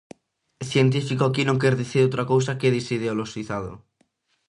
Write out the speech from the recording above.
Científico aquí non quer dicir outra cousa que desideoloxizado.